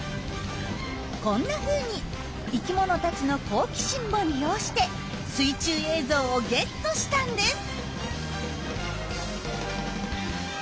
こんなふうに生きものたちの好奇心も利用して水中映像をゲットしたんです！